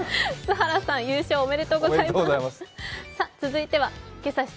栖原さん、優勝おめでとうございます。